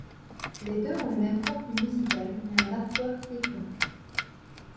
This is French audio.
Les deux ont le même contenu musical, mais un artwork différent.